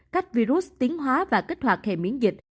cách virus tiến hóa và kích hoạt hệ miễn dịch